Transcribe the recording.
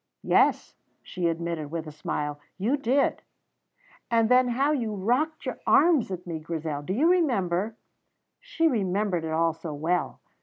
"Yes," she admitted, with a smile, "you did." "And then how you rocked your arms at me, Grizel! Do you remember?" She remembered it all so well!